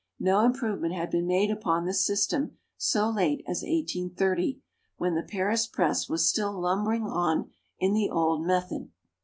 No improvement had been made upon this system, so late as 1830, when the Paris press was still lumbering on in the old method.